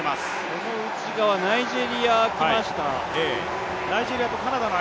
この内側、ナイジェリアがきました。